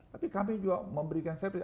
tapi kami juga memberikan safety